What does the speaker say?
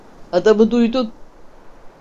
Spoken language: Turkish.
Adamı duydun.